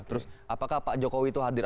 terus apakah pak jokowi itu hadir